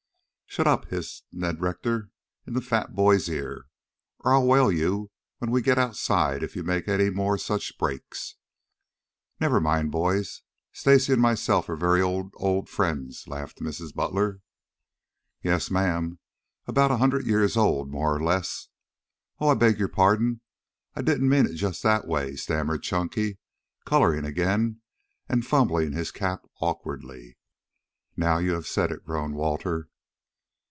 "Shut up!" hissed Ned Rector in the fat boy's ear. "I'll whale you when we get outside, if you make any more such breaks." "Never mind, boys; Stacy and myself are very old, old friends," laughed Mrs. Butler. "Yes, ma'am, about a hundred years old, more or less. Oh, I beg your pardon. I didn't mean it just that way," stammered Chunky, coloring again and fumbling his cap awkwardly. "Now you have said it," groaned Walter.